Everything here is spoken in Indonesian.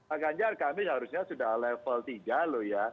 akan jahat kami harusnya sudah level tiga loh ya